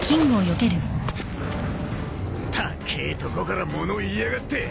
高えとこから物言いやがって。